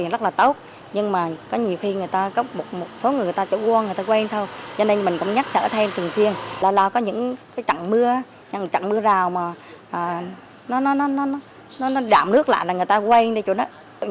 là có những trạng mưa trạng mưa rào mà nó đạm nước lại là người ta quay đi chỗ đó